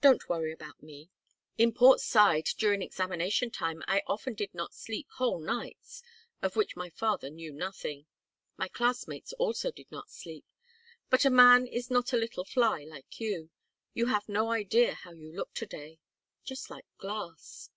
Don't worry about me. In Port Said during examination time I often did not sleep whole nights; of which my father knew nothing. My classmates also did not sleep. But a man is not a little fly like you. You have no idea how you look to day just like glass.